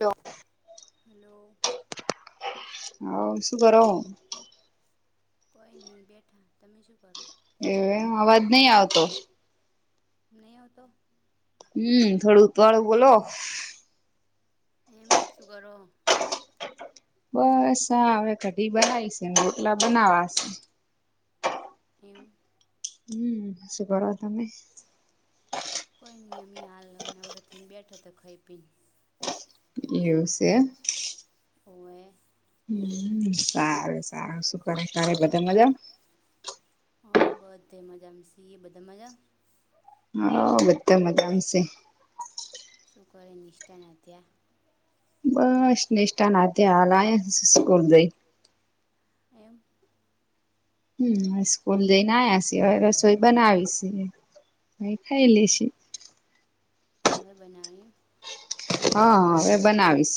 જો હલો હવ શું કરો કોઈની બેઠા તમે શું કરો? એ [unintelligible] અવાજ નહી આવતો નહીં આવતો હમ થોડું ઉતવાળું બોલો એમ શુ કરો? બસ હા હવે કઢી બનાવી છે, રોટલા બનાવાશે એમ હમ શું કરો તમે? કોઈની અમી હાલ નવરા થઈ ને બેઠા તા ખાઈ પીન એવુ છે. હોવે. હ સારું સારું શું કરે તારે બધા મજામા હઉ બધે મજામ સે એ બધા મજા હ બધા મજા માં સે શું કરે નિષ્ઠા ને આધ્યા બસ નિષ્ઠા ને આધ્યા [unintelligible] સ્કૂલ ગયી હમ સ્કૂલ જઈને આયા છી હવે રસોઈ બનાવી છે, હ ખાઈ લેશે હવે બનાવી હ હ હવે બનાવીશ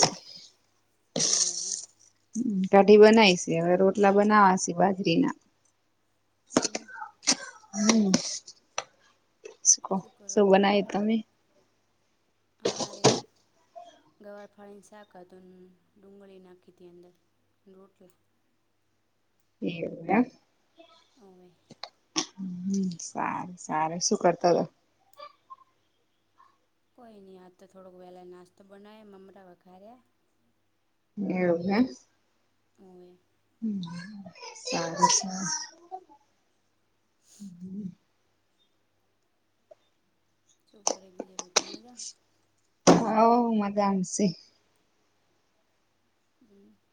કાઢી બનાવી હવે રોટલા બનાવાસે બાજરીના એમ [unintelligible] શું બનાયું તમે? અમારે ગવાર ફાળીને શાક હતું ને ડુંગળી નાખીતી અંદર રોટલો એવુ એમ અવે સારુ સારું શું કરતોતો કોઈ ની આ તો થોડોક વહેલા નાસ્તો બનાવે મમરા વઘાર્યા એવું હે [unintelligible] [inaudible] શું ઘરે બીજા બધા મજમાં? હવ મજામ શે [inaudible]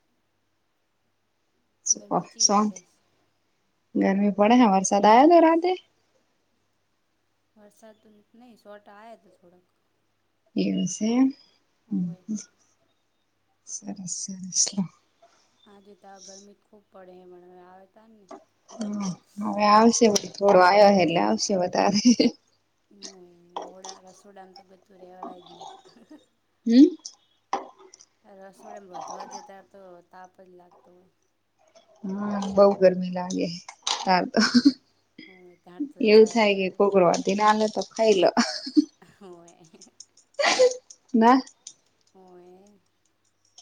[unintelligible] ગરમી પડે હે વરસાદ આયો તો રાતે વરસાત તો નહી શોટ આયો તો થોડોક [inaudible] આજે તા આ ગરમી જ ખુબ પડે [unintelligible] હવે આવશે થોડો આવ્યો હે એટલે આવશે વધારે [inaudible] હમ. રસોડ મા વધવા દે તા તો તાપ જ લાગતો હોય હા બઉ ગરમી લાગે હાર તો એવું થાય કે કોકરવા થી નાલે તો હઈલો. [unintelligible] [unintelligible] ના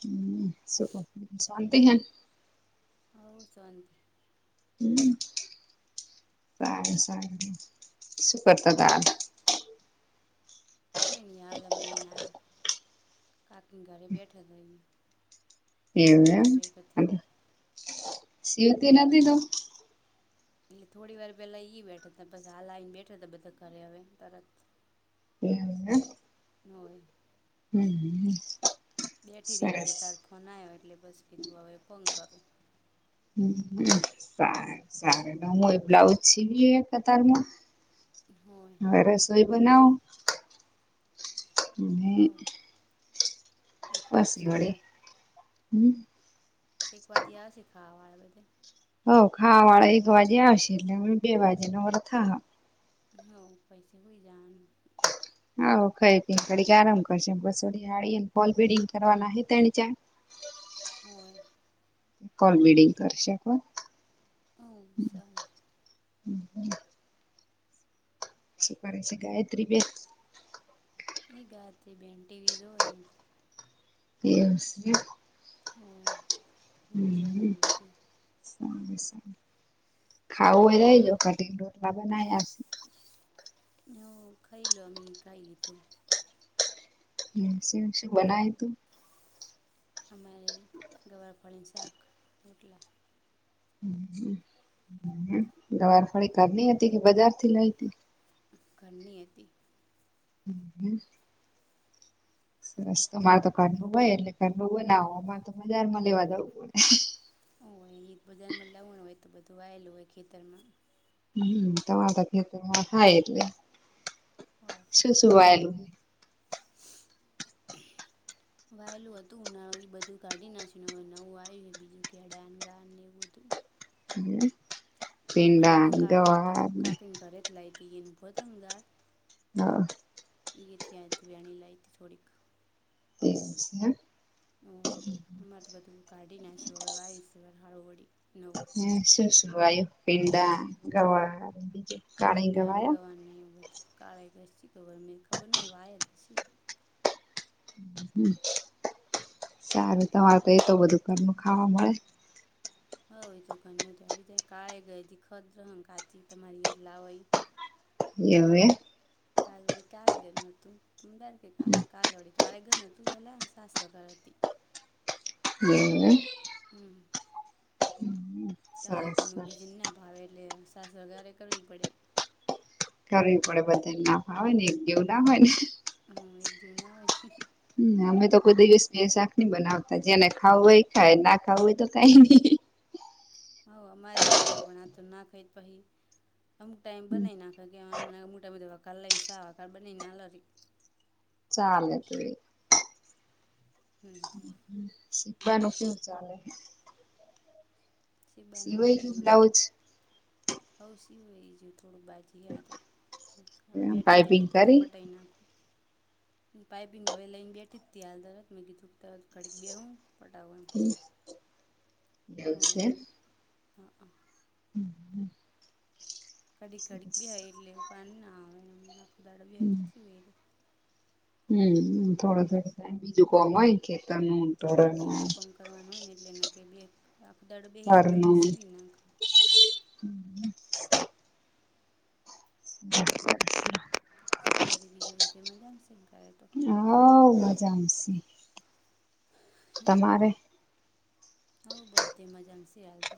હું શું નો શાન્તિ હે ને આવો શાનત હમ સારુ સારુ શું કરતા હતા. કોઈ નહી હાલ અમી કાકીના ઘરે બેઠા હતા. એવું હે શિવતી નથી તું. એટલે થોડી વાર પેલા ઈ બેઠા તા પછી હાલ આવીને બેઠે તો બધા ઘરે હવે તરત એવુ એમ [unintelligible] સરસ ફોન આયો એટલે બસ કીધું હવે એ ફોન કરવું. સ સાર હું એ બ્લાઉજ સીવી [unintelligible] હવે રસોઈ બનાવો [inaudible] હાશ વળી એક વાગે આવશે ખાવા વાળા બધાય હ ખાવા વાળા એક વાગે આવશે એટલે બે વાગે નવરા થાંસી. હું પછી શું ઈ જવાનું. હા ખ કડી આરામ કરશે બસોડી ફોલ હડીલડિંગ કરવા ચ. હોય. કોલ બડિંગ કરી શકો. હું ચલે. હમ. શું કરે છે ગાયત્રી બેન. એની ગાયત્રી બેન ટીવી જો. એ હ છે. હોય. હમ. ખાવું હોય રહીજ કટી રોટલા બનાયા. હ ખાઈલો અમી કાઈ લીધુ. હ શ બનાય લીધુ. અમારે ગવાર ફળને શાક રોટલા. દવાર ફોડી ઘરની હતી કે બજાર થી લઈ હતી. ઘણીય હતી. હમ હ. રસ્તો મારે તો કરડું હોય એટલે કરડું હોયને આવ મારે તો બજાર માં લેવા જવું પડે. ઓ હોય એ બધામાં લાવવુંનું હોય તો બધું વાયલું હોય ખેતરમાં. હમ તમાર તો તો હાય એટલે શું શું વાયેલું. [unintelligible] વાયેલું હતું ઉનાળું એ બધું કાઢી નાચીને નવું આવ્યું બીજું પ્યાડાાન ગ એવું હતું. હમ. અને આ તો કા આ તો કાકીને ઘરે જ લાવ હતી એ ઉભો ત અંગાર હા. એગથી આ તો વેણી એ લઈ થોડીક [unintelligible] ય અમારે તો બધું કાઢી નાખ્યું હવે વાયુ સવાર હાળું વળી નવ હ શું શું વાયુ પિંડા ગવા બીજ ભીંડા ગવાર ને એવું બધું ખબર નહી વાયુ હશે સારું તમારે તો એ તો બધું ઘરનું ખાવા મળે હવે એ તો ઘરનું ચાલી જાય [unintelligible] તમારી લાય એવે કાલ વડી કાળેગર ન હતું પમ તાર કે કાલ વડી કાળેગર ન હતું પેલા સાસુ વગર હતી [inaudible] હમ કાળે ઘરું બીજ ને ના ભાવે એટલે સાસ વગરે કરવી પડે કરવી પડે બધા નાફાવય ને એક ગેવું ના હોય ને હ એક જણ ના હોઇ હમ અમે તો કોઈ દિવસ બે શાક નઈ બનાવતા જેને ખાવું હોય ખાય ના ખાવું હોય તો કઈ નહીં હઉ અમારે એવું કરવા આ તો ના ખાઇ તો પહિ અમુક ટાઈમ બનાવી નાખે અમુક ટાઈમે કલાઈ નું શાક બનાવી અલવી ચાલે ત હમ શીખવાનું શું ચાલે સીબાન વાળી હોવ સિવાઈ એ જોયું હવે થોડું બાકી હવે બેઠીથી મૂકું તું પટાઈ નાખું પાઈપિંગ હવે લઈન બેઠીતી હાલ તરત મેી દૂકતા ઘડીક બે હું ફટાાવ એમ છે. હા આ [inaudible] ઘડીક ઘડીક બેસે એટલે પાર ના આવે આખો દિવસ બેસે તો સિવાય હમ થોડ થોડું થ બીજું કોમ હોય ખેતરનું બીજું કામ કરવાનું હોય ને એટલે કે બે આખો દડ બેહી જાય હમ સીવી નાખ [inaudible] શું કરી બીજે બધી મજા આવશેકે તો હો ઓ મજાશે હમ્મ બધે મજામાં છે હાલ તો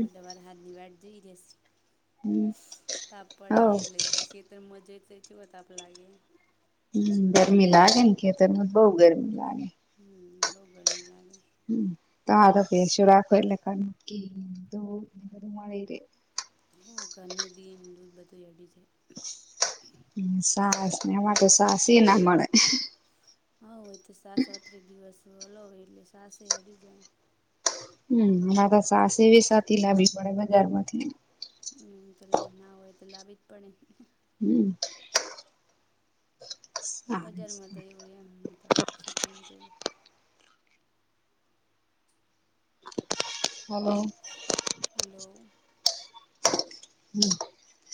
બુધવાર સાતદીવસ જેઈ રસી તાપ પડે હે એટલે શેતરમા જઈએ તો કેવા તાપ લાગે હમ ગરમી લાગે ને ખેતરમાં બઉ ગરમી લાગે હમ બહુ ગરમી લાગે હ તમા તો ભેંસો રાખો એટલેકી [unintelligible] હ ઘરનું દીન દૂધ બધું એડી છે. સાસ એમાર તો સાસ ના મળે હા હોય તો સાસ ઓતરે દિવસ લવ એટલે સાસ અડી જાય હમ આમાં તો સાસ એવી સાથી લાવવી પડે બજાર માંથી હમ તો ના હોય તો લાવી જ પડે હમ્મ બજારમાં તો એવું રે ન તાણ સિટી મ તો એવું. હલો. હલો. હમ્મ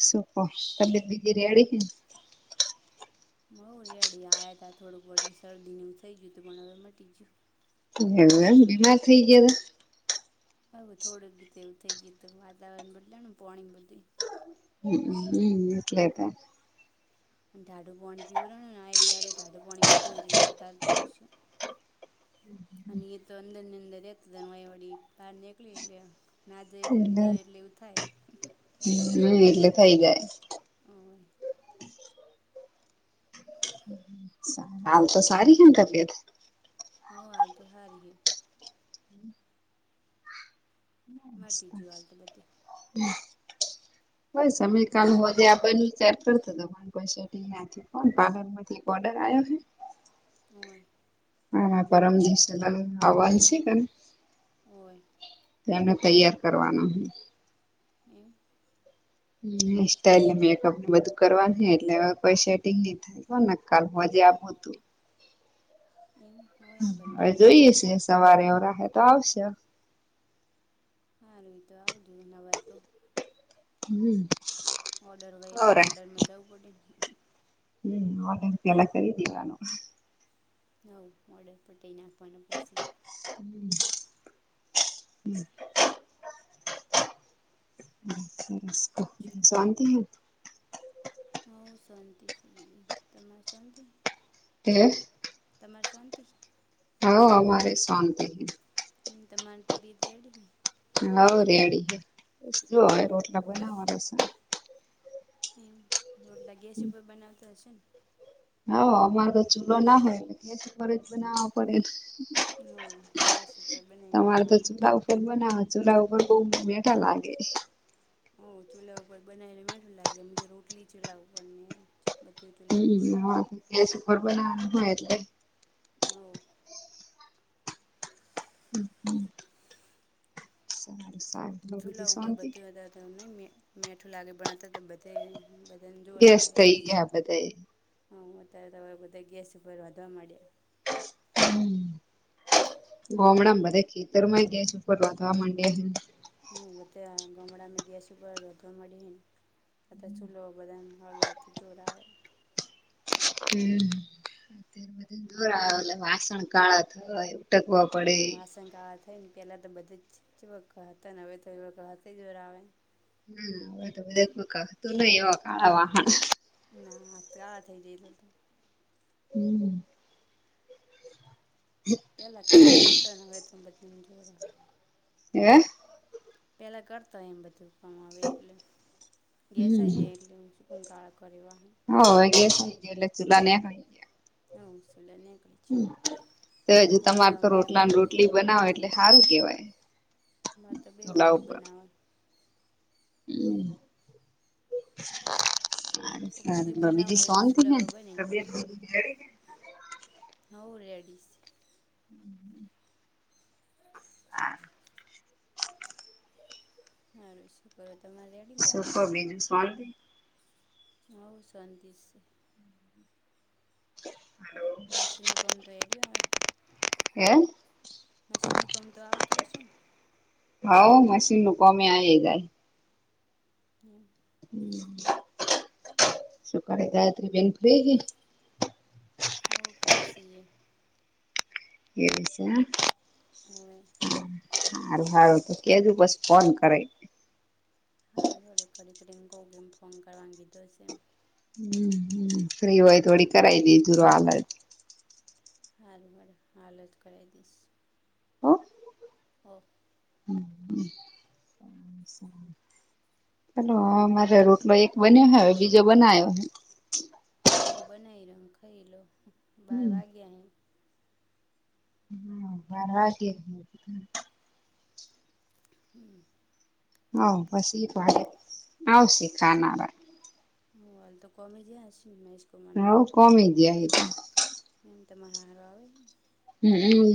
શુ કો તબિયત બીજી રેડી હવો રેડી આયા તા થોડુંક વડી શરદી ન એવું થઈ ગયું હતું પણ હવે મટી ગયું. [unintelligible] બીમાર થઇ ગયા તા. હવે થોડુંક દી તો એવું થઈ ગયું હતું વાતાવરણ બદલાણું પોણી ન બધું. [unintelligible] એટલે તો. ટાઢું પાણી પીવરાણું ને હા એક દાડે ટાઢું પાણી પીધું એટલે વધાર પેલું થ્યુ. અને એ તો અંદર ને અંદર રહેતું તું ને ઓય વડી બહાર નીકળ્યું એટલે [unintelligible] ના જઈએ એટલે ન જઇએ એટલે એવું થાય. હમ્મ એટલે. [unintelligible] [unintelligible] હાલ તો સારી હૈ તબિયત. હવ હાલ તો ઓ હારી હે. મટી જ્યુ હાલ તો બધે. હ સમીર કાલ હોજે આવવાનું વિચાર કરતો તો પછી. [unintelligible] પાર્લરમાંથી એક ઓર્ડર આયો હે. હોય. હા હા પરમ દિવસે [unintelligible] હવન છે ઇકન. ઓવે. તેને તૈયાર કરવાનો હે. હે. હેર સ્ટાઇલ ને મેકઅપ ન બધુ. કરવા ન એટલે હવે કોઈ સેટિંગ નહી થાય હો ન કાલ હો જે આ બધું. એમ. હવે જોઈએ છે સવારે [unintelligible] તો આવશે. હારૂ હોય તો આવજો, અવાય તો. હમ્મ. ઓર્ડર હોય એટલે ઓર્ડર માં જવું પડે ને. હમ્મ ઓર્ડર પહેલા કરી દેવાનો. હવ ઓર્ડર પતાઈ નાખવાનો પછી. [inaudible] શાંતિ હે ને. હવ શોન્તિ છે બીદી તમાર શોન્તિ? [unintelligible] તમાર શોન્તિ? હવ અમારે શોન્તિ? હમ્મ તમાર તબિયત રેડી? હવ રેડી હે બસ જો હવે રોટલા બનાવવાના છે. એમ, રોટલા ગેસ ઉપર બનાવતા હશે ને? હવ અમારે તો ચૂલો ના હોય એટલે ગેસ ઉપર જ બનાવવા પડે ને. હવ ગેસ ઉપર બનાઇ નાખવાના. તમ બનાવ ચૂલા પર બહુ મેંઠા લાગે સ. હવો ચૂલા ઉપર બનાવી એટલે મેઠું લાગે [unintelligible] રોટલી ચૂલા ઉપર ને. ઈજ હ ગેસ ઉપર બનાવાનું હોય એટલે હોવ હ સારું ચૂલા ઉપર બધું હતા નહીં મે મેઠું લાગે પણ હતા તો બધે બધાં ન જોર આવે આલસી હા મો અત્યારે બધા ગેસ ઉપર રાંધવા મળ્યા હમ ગોમડામા બધા ખેતરમાં એ બધા ગેસ ઉપર રોધવા મંડયા છે. હું બધે ગામડામાં ગેસ ઉપર રોધવા મંડયા હૈ અતાર ચુલો બધાન હળગાવતા જોર આવે હમ જોર આવે એટલે વાસણ કાળા થાય હા વાસણ બતૅન કાળા થઈ પેલા તો બધાં ચેવા ગહતા હવે તો એવા ગમતા એ જોર આવે હા હવે તો બધાક ગહતું નહી એવા કાળા વાહણ [unintelligible] હમ પેલા ક ધોતા હવે તો બધાને જોર આવે હે પેલા કરતા હોય એમ બધું કામ આવે એટલે ગેસ આઈ જાય એટલે હ કોણ કાળા કરે વાહણ [unintelligible] [unintelligible] તો હજુ તમારે તો રોટલાને રોટલી બનાવ એટલે હારું કેવાય મારે તો બે વયનું બનાવવા હમ. [unintelligible] હ રેડી છે હ હ હારુ છે [unintelligible] તમારે શું કો બીજુ શાંતિ હ શોતિ છે. મશીનનું કામ તો એડી હોય મશીનનું કોમ તો આવડતું હશે ને હા મશીન નુ કોમે આઈ જાય હમહ હમ સુકરે ગાયત્રી બેન ફ્રી હે હોવ ફ્રી સેએ [unintelligible] હોવે હારૂ હારૂ તો કેજો પછી ફોન કરે હારૂ હેડો ઘડીક રયને કવુ કેમ ફોન કરવા નો કીધોછે એમ હમ હમ ફ્રી હોય થોડી કરાવી દય થોરૂ આગડ હાલ ઉભારો હાલજ કરાઈ દીઈશ હોવ હેલો હં મારે રોટલો એક બન્યો હે હવે બીજો બનાયો હે હવ બનાવી લોયો ને ખઈ લો બાર વાગ્યા હે હમ બરવા કે હમ. હવ બસ ઈ પડ આવશે ખાનારા હ હાલ તો કમે જયા હશે મે હવ કોમે ગયા હે એમ તમાર હાહરો આવે હે હુમ કમ